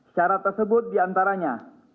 syarat tersebut diantaranya